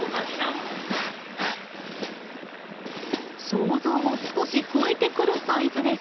想像を少し超えてくるサイズです。